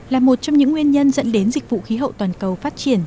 là một trong những nguyên nhân dẫn đến dịch vụ khí hậu toàn cầu phát triển